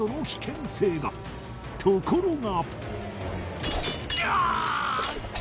ところが